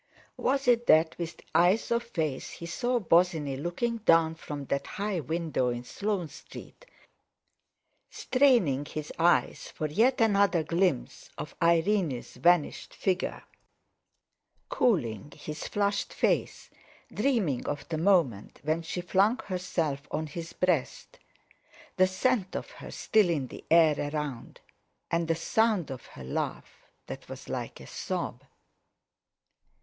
Was it that, with the eyes of faith, he saw Bosinney looking down from that high window in Sloane Street, straining his eyes for yet another glimpse of Irene's vanished figure, cooling his flushed face, dreaming of the moment when she flung herself on his breast—the scent of her still in the air around, and the sound of her laugh that was like a sob?